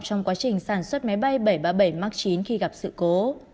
trong quá trình sản xuất máy bay bảy trăm ba mươi bảy max chín khi gặp sự cố